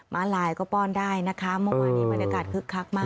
้าลายก็ป้อนได้นะคะเมื่อวานนี้บรรยากาศคึกคักมาก